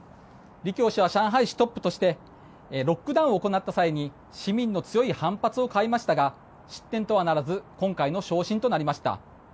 リ・キョウ氏は上海市トップとしてロックダウンを行った際市民の強い反発を買いましたが失点とはならず今回の昇進となりました。